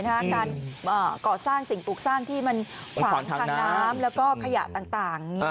การก่อสร้างสิ่งปลูกสร้างที่มันขวางทางน้ำแล้วก็ขยะต่าง